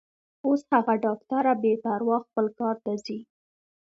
اوس هغه ډاکټره بې پروا خپل کار ته ځي.